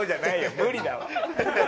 無理だわ。